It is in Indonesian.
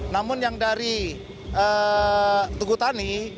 namun yang dari tugu tani